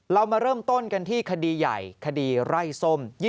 เรามาเริ่มต้นกันที่คดีใหญ่คดีไร่ส้ม